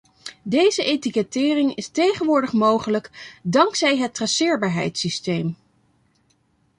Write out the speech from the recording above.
Deze etikettering is tegenwoordig mogelijk dankzij het traceerbaarheidssysteem.